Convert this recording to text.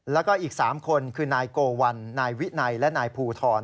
แล้วก็อีก๓คนคือนายโกวัลนายวินัยและนายภูทร